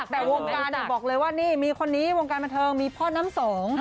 แต่วงการบอกเลยว่านี่มีคนนี้วงการบันเทิงมีพ่อน้ำสอง